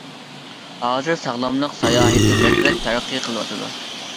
ھازىر ساغلاملىق ساياھىتى بەكرەك تەرەققىي قىلىۋاتىدۇ.